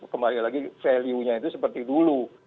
kita kembalikan lagi value nya itu seperti dulu